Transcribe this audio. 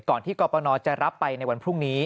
ก่อนที่กรปนจะรับไปในวันพรุ่งนี้